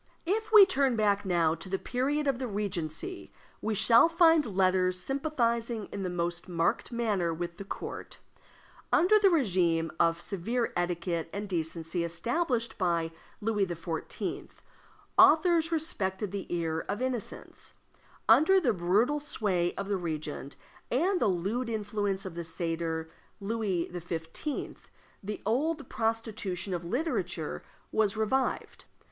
If we turn back now to the period of the Regency, we shall find letters sympathizing in the most marked manner with the court. Under the regime of severe etiquette and decency established by Louis XIV., authors respected the ear of innocence; under the brutal sway of the regent, and the lewd influence of the satyr Louis XV., the old prostitution of literature was revived.